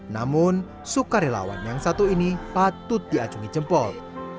namun sukarelawan yang satu ini patut diacungi jempol